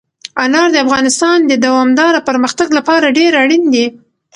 انار د افغانستان د دوامداره پرمختګ لپاره ډېر اړین دي.